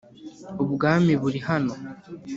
ubwami buri hano